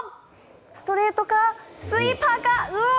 ストレートか、スイーパーか。